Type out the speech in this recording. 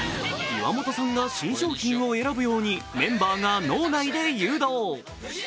岩本さんが新商品を選ぶようにメンバーが脳内で誘導。